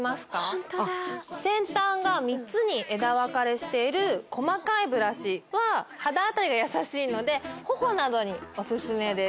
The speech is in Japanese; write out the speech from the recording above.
ホントだ先端が３つに枝分かれしている細かいブラシは肌当たりが優しいので頬などにオススメです